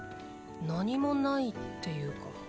なにもないっていうか。